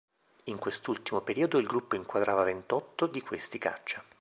In quest'ultimo periodo il gruppo inquadrava ventotto di questi caccia.